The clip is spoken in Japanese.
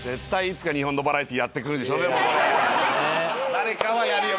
誰かはやるよ